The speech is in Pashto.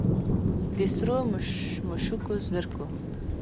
د سرو مشوکو زرکو